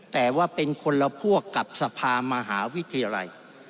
แต่ว่าเป็นคนละพวกกับสภามหาวิทยาลัย